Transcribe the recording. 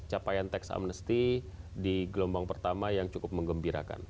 capaian tax amnesty di gelombang pertama yang cukup mengembirakan